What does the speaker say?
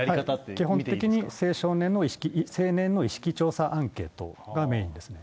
基本的に青年の意識調査アンケートがメインですね。